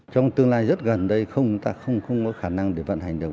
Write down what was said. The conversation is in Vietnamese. trong tương lai rất gần đây chúng ta không có khả năng để vận hành được